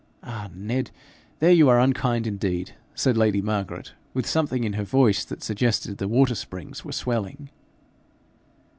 'Ah, Ned, there you are unkind indeed!' said lady Margaret, with something in her voice that suggested the water springs were swelling.